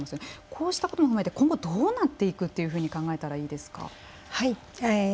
こうしたことを踏まえて今後どうなっていくというふうに考えたらいいですか？